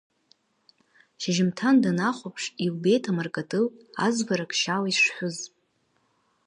Шьжьымҭан данахәаԥш, илбеит амаркатыл азварак шьала ишшәыз.